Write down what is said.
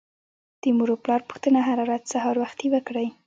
د مور او پلار پوښتنه هر ورځ سهار وختي وکړئ.